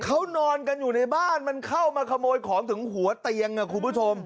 เขานอนกันอยู่ในบ้านมันเข้ามาขโมยของถึงหัวเตียงคุณผู้ชม